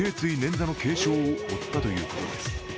捻挫の軽傷を負ったということです。